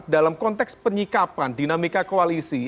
dalam konteks penyikapan dinamika koalisi